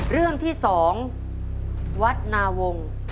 เรื่องที่๒วัดนาวงศ์